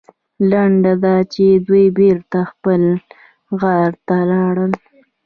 لنډه دا چې دوی بېرته خپل غار ته لاړل.